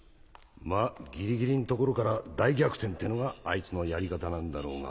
まギリギリんところから大逆転ってのがあいつのやり方なんだろうが。